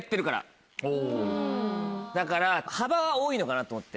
だから幅は多いのかなと思って。